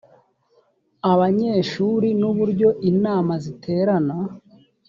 abanyeshuri n uburyo inama ziterana